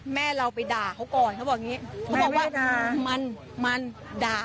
แม่เราไปด่าเขาก่อนเขาบอกอย่างนี้